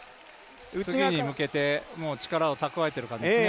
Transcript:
次に向けて力を蓄えている感じですね。